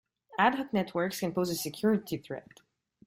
Ad hoc networks can pose a security threat.